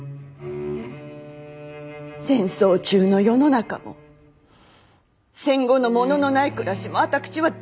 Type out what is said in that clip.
戦争中の世の中も戦後の物のない暮らしも私は大っ嫌い！